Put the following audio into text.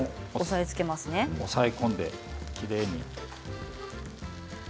押さえ込んできれいに。